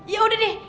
ya udah deh